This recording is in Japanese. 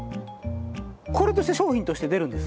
これとして商品として出るんですね。